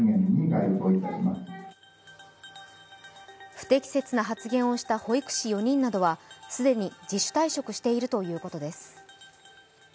不適切な発言をした保育士４人などは既に自主退職しているということです。